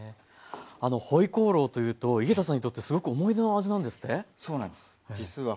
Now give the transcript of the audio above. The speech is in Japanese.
あの回鍋肉というと井桁さんにとってすごく思い出の味なんですって？